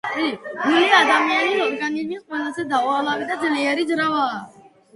ული ადამიანის ორგანიზმის ყველაზე დაუღალავი და ძლიერი „ძრავაა